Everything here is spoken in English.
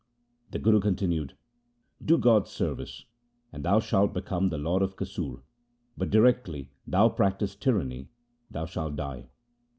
The Guru continued, ' Do God's service, and thou shalt become the lord of Kasur, but directly thou practise tyranny, thou shalt die.'